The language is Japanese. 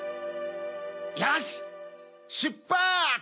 よししゅっぱつ！